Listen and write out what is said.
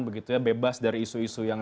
begitu ya bebas dari isu isu yang